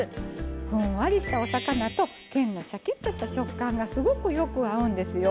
ふんわりしたお魚とけんのシャキッとした食感がすごくよく合うんですよ。